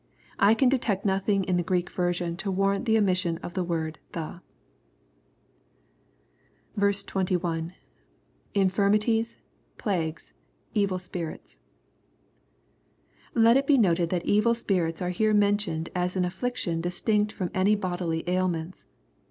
I can detect nothing in the Greek version, to warrant the omission of the word " the." 21. — [Infirmities .. .plagues ,.. evil spirits.] Let it be noted that evil spirits are here mentioned as an affliction distinct from any bodily ailments.